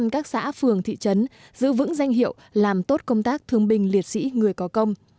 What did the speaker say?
một trăm linh các xã phường thị trấn giữ vững danh hiệu làm tốt công tác thương binh liệt sĩ người có công